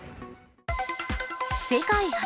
世界初！